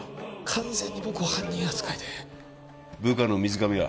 完全に僕を犯人扱いで部下の水上は？